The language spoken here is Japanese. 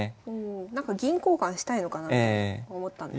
なんか銀交換したいのかなって思ったんですけど。